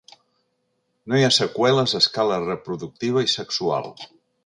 No hi ha seqüeles a escala reproductiva i sexual.